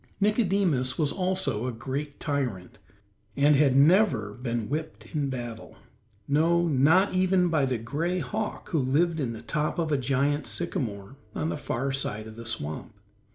Nicodemus was also a great tyrant, and had never been whipped in battle no, not even by the gray hawk who lived in the top of a giant sycamore, on the far side of the swamp.